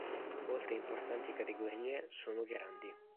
Molte importanti categorie sono grandi.